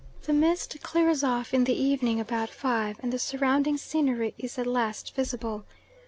The mist clears off in the evening about five, and the surrounding scenery is at last visible.